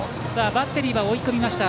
バッテリーは追い込みました。